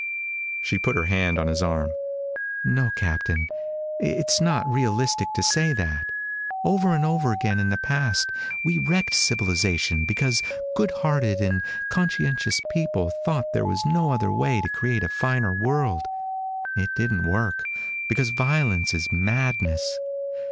She put her hand on his arm. "No, Captain. It's not realistic to say that. Over and over again in the past we wrecked civilization because good hearted and conscientious people thought there was no other way to create a finer world. It didn't work, because violence is madness.